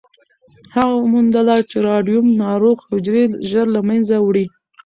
هغې وموندله چې راډیوم ناروغ حجرې ژر له منځه وړي.